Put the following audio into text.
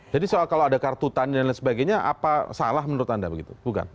jadi soal kalau ada kartu taninya dan sebagainya apa salah menurut anda begitu bukan